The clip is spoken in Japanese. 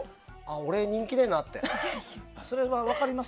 俺、人気ねえなって。